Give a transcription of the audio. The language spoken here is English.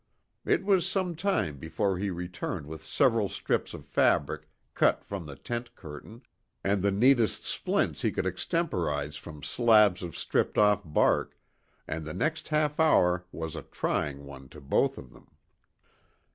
It was some time before he returned with several strips of fabric cut from the tent curtain, and the neatest splints he could extemporise from slabs of stripped off bark, and the next half hour was a trying one to both of them.